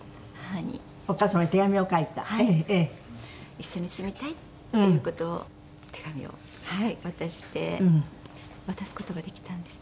一緒に住みたいっていう事を手紙を渡して渡す事ができたんですね。